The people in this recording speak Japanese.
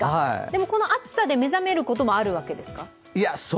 でもこの暑さで目覚めることもあるんですか？